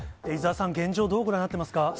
伊沢さん、現状、どうご覧になっていますか。